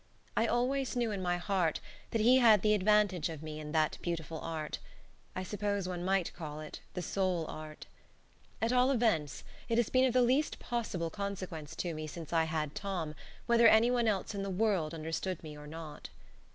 I always knew in my heart that he had the advantage of me in that beautiful art: I suppose one might call it the soul art. At all events, it has been of the least possible consequence to me since I had Tom, whether any one else in the world understood me or not.